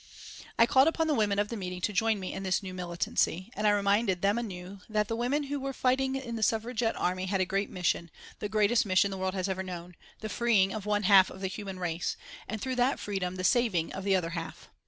I called upon the women of the meeting to join me in this new militancy, and I reminded them anew that the women who were fighting in the Suffragette army had a great mission, the greatest mission the world has ever known the freeing of one half the human race, and through that freedom the saving of the other half.